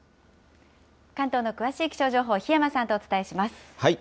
関東の詳しい気象情報、檜山さんとお伝えします。